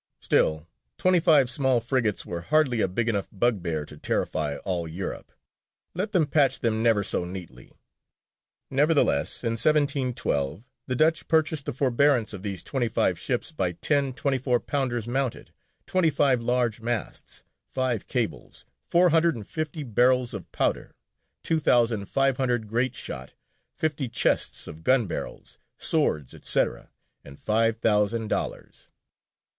" Still twenty five small frigates were hardly a big enough bugbear to terrify all Europe, let them patch them never so neatly. Nevertheless, in 1712, the Dutch purchased the forbearance of these twenty five ships by ten twenty four pounders mounted, twenty five large masts, five cables, four hundred and fifty barrels of powder, two thousand five hundred great shot, fifty chests of gun barrels, swords, &c., and five thousand dollars.